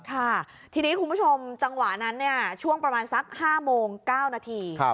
ค่ะทีนี้คุณผู้ชมจังหวะนั้นช่วงประมาณสัก๕โมง๙นาที